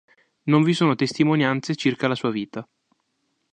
Non vi sono testimonianze circa la sua vita.